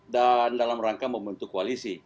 dan dalam rangka membentuk koalisi